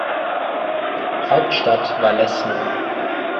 Hauptstadt war Leszno.